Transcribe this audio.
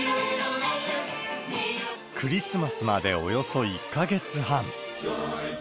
クリスマスまでおよそ１か月半。